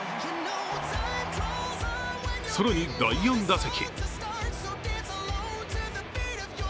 更に、第４打席。